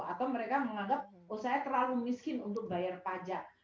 atau mereka menganggap oh saya terlalu miskin untuk bayar pajak